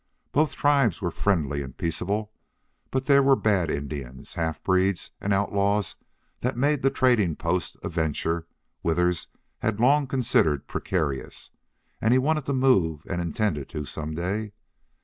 Both tribes were friendly and peaceable, but there were bad Indians, half breeds, and outlaws that made the trading post a venture Withers had long considered precarious, and he wanted to move and intended to some day.